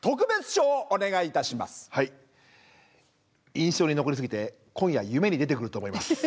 印象に残りすぎて今夜夢に出てくると思います。